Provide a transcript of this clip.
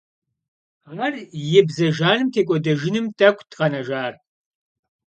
Ар и бзэ жаным текӀуэдэжыным тӀэкӀут къэнэжар.